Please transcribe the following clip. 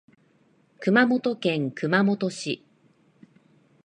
熊本県熊本市